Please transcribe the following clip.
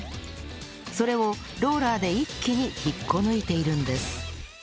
それをローラーで一気に引っこ抜いているんです